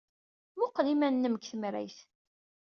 Mmuqqel iman-nnem deg temrayt.